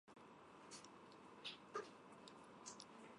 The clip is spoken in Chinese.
英国唱片业协会是英国唱片工业的行业协会。